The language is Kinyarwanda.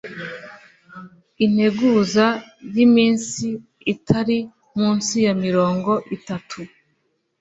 Integuza y iminsi itari munsi ya mirongo itatu